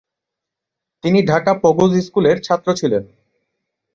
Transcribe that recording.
তিনি ঢাকা পগোজ স্কুলের ছাত্র ছিলেন।